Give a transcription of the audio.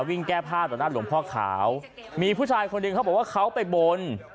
วิ่งแก้ผ้าต่อหน้าหลวงพ่อขาวมีผู้ชายคนหนึ่งเขาบอกว่าเขาไปบน